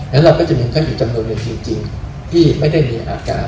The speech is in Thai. แล้วเราก็จะมีท่านอีกจำนวนหนึ่งจริงที่ไม่ได้มีอาการ